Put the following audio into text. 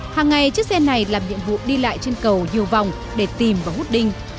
hàng ngày chiếc xe này làm nhiệm vụ đi lại trên cầu nhiều vòng để tìm và hút đinh